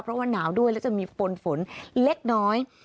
เพราะว่าหนาวด้วยแล้วจะมีฝนฝนเล็กน้อย